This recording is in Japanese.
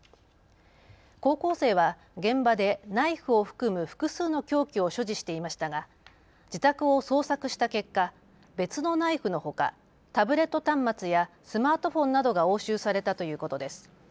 高校生は現場でナイフを含む複数の凶器を所持していましたが自宅を捜索した結果別のナイフのほかタブレット端末やスマートフォンなどが押収されたということです。